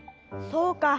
そうか。